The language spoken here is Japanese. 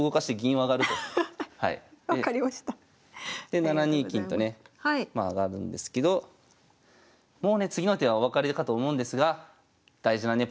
で７二金とねまあ上がるんですけどもうね次の手はお分かりかと思うんですが大事なね